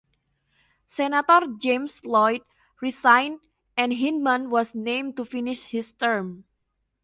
Senator James Lloyd resigned, and Hindman was named to finish his term.